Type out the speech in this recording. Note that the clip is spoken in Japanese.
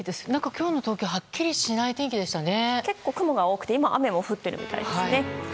今日の東京ははっきりしない天気でしたね。